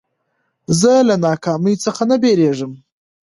زه له ناکامۍ څخه نه بېرېږم.